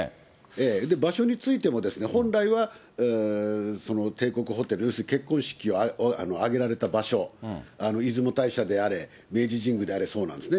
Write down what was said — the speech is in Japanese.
場所についても、本来は帝国ホテル、要するに結婚式を挙げられた場所、出雲大社であれ、明治神宮であれそうなんですね。